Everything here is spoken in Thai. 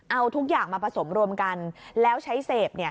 เอาทุกอย่างมาผสมรวมกันแล้วใช้เสพ